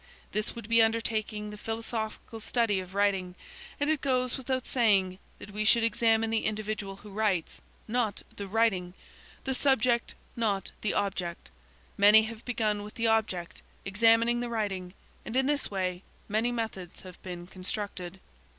This would be undertaking the philosophical study of writing, and it goes without saying that we should examine the individual who writes, not the writing; the subject, not the object. Many have begun with the object, examining the writing, and in this way many methods have been constructed.